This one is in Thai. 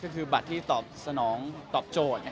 ก็คือบัตรที่ตอบสนองตอบโจทย์